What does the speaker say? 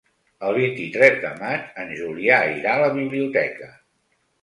El vint-i-tres de maig en Julià irà a la biblioteca.